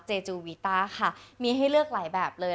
จูวีต้าค่ะมีให้เลือกหลายแบบเลย